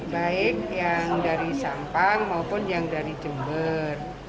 baik yang dari sampang maupun yang dari jember